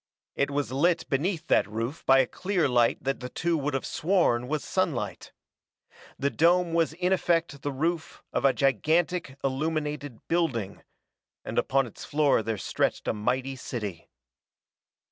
It was lit beneath that roof by a clear light that the two would have sworn was sunlight. The dome was in effect the roof of a gigantic, illuminated building, and upon its floor there stretched a mighty city.